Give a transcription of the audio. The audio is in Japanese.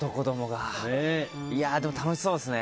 でも、楽しそうですよね。